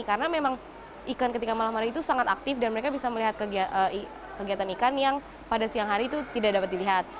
karena memang ikan ketika malam hari itu sangat aktif dan mereka bisa melihat kegiatan ikan yang pada siang hari itu tidak dapat dilihat